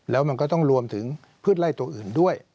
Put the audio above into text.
แล้วมันก็ต้องรวมถึงพืชไล่ตัวอื่นด้วย